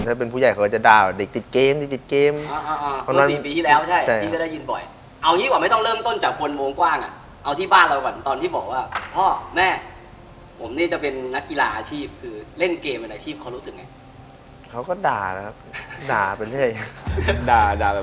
ถ้าเป็นผู้ใหญ่เขาก็จะด่า